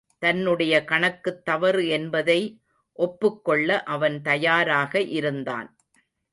தன்னுடைய கணக்குத் தவறு என்பதை ஒப்புக் கொள்ள அவன் தயாராக இருந்தான்.